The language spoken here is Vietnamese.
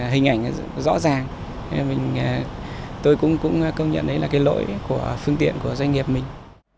hình ảnh rõ ràng mình tôi cũng công nhận đấy là cái lỗi của phương tiện của doanh nghiệp mình